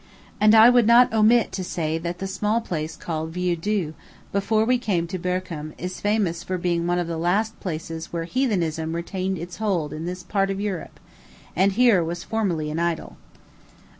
And I would not omit to say that the small place called Vieux Dieu, before we came to Berchem, is famous for being one of the last places where heathenism retained its hold in this port of Europe, and here was formerly an idol.